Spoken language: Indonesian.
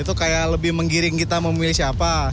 itu kayak lebih menggiring kita memilih siapa